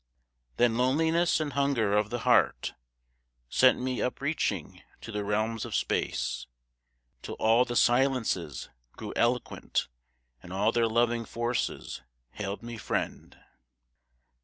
Then loneliness and hunger of the heart Sent me upreaching to the realms of space, Till all the silences grew eloquent, And all their loving forces hailed me friend.